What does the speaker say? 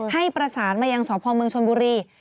ให้ประสานมาเยี่ยงสวนภอมเมืองชนบุรี